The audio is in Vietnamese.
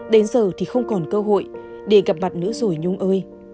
đến giờ thì không còn cơ hội để gặp mặt nữa rồi nhung ơi